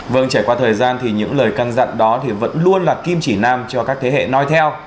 vâng trải qua thời gian thì những lời căn dặn đó thì vẫn luôn là kim chỉ nam cho các thế hệ nói theo